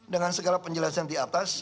dengan segala penjelasan di atas